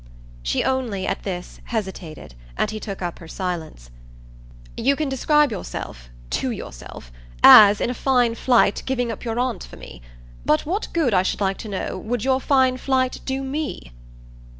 She only, at this, hesitated, and he took up her silence. "You can describe yourself TO yourself as, in a fine flight, giving up your aunt for me; but what good, I should like to know, would your fine flight do me?"